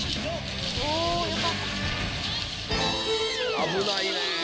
危ないねぇ。